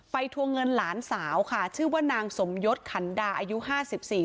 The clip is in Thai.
ทวงเงินหลานสาวค่ะชื่อว่านางสมยศขันดาอายุห้าสิบสี่